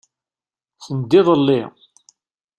Send-iḍelli.